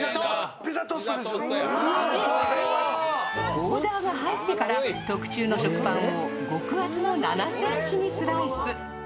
オーダーが入ってから特注の食パンを極厚の７ｃｍにスライス。